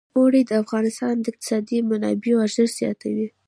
اوړي د افغانستان د اقتصادي منابعو ارزښت زیاتوي.